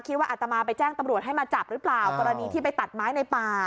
ว่าอัตมาไปแจ้งตำรวจให้มาจับหรือเปล่ากรณีที่ไปตัดไม้ในป่า